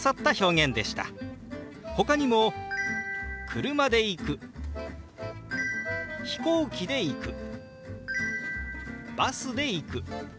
ほかにも「車で行く」「飛行機で行く」「バスで行く」。